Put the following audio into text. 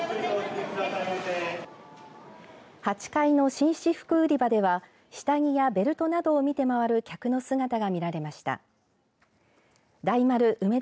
８階の紳士服売り場では下着やベルトなどを見て回る客の姿が見られました。